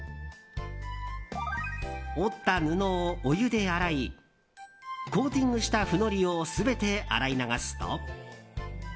織った布をお湯で洗いコーティングしたフノリを全て洗い流すと。